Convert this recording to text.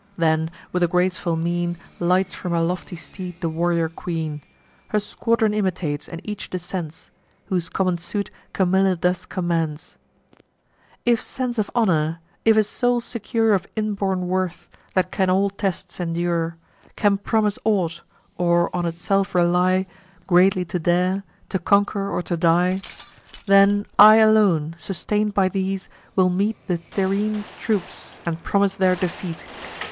Then, with a graceful mien, Lights from her lofty steed the warrior queen: Her squadron imitates, and each descends; Whose common suit Camilla thus commends: "If sense of honour, if a soul secure Of inborn worth, that can all tests endure, Can promise aught, or on itself rely Greatly to dare, to conquer or to die; Then, I alone, sustain'd by these, will meet The Tyrrhene troops, and promise their defeat.